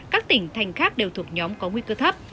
các tỉnh thành khác đều thuộc nhóm có nguy cơ thấp